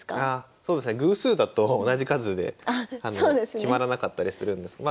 そうですね偶数だと同じ数で決まらなかったりするんですけど。